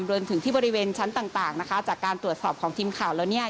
รวมถึงที่บริเวณชั้นต่างต่างนะคะจากการตรวจสอบของทีมข่าวแล้วเนี่ย